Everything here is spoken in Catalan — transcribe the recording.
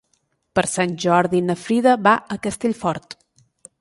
Per Sant Jordi na Frida va a Castellfort.